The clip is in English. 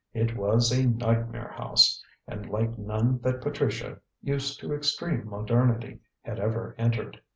It was a nightmare house, and like none that Patricia, used to extreme modernity, had ever entered.